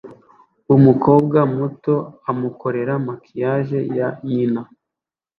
Umukobwa muto amukorera maquillage ya nyina